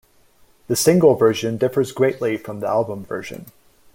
The single version differs greatly from the album version.